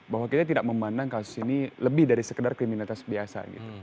bahwa kita tidak memandang kasus ini lebih dari sekedar kriminalitas biasa